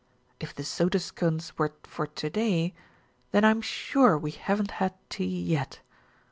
"If the soda scones were for to day, then I am sure we haven't had tea yet.